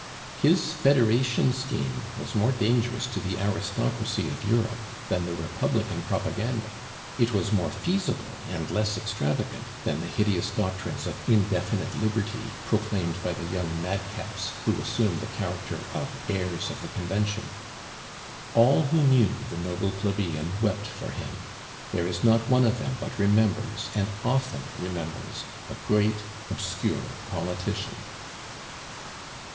His Federation scheme was more dangerous to the aristocracy of Europe than the Republican propaganda; it was more feasible and less extravagant than the hideous doctrines of indefinite liberty proclaimed by the young madcaps who assume the character of heirs of the Convention. All who knew the noble plebeian wept for him; there is not one of them but remembers, and often remembers, a great obscure politician.